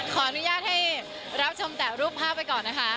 ขออนุญาตให้รับชมแต่รูปภาพไว้ก่อนนะคะ